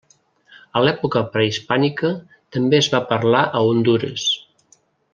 A l'època prehispànica també es va parlar a Hondures.